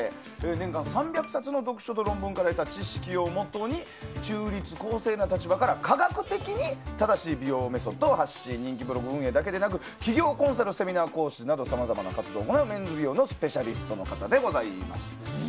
年間３００冊の読書と論文から得た知識をもとに中立・公正な立場から科学的に美容メソッドを発信して人気ブログ運営だけでなく企業コンサル、セミナー講師などさまざまな活動を行うメンズ美容のスペシャリストの方でございます。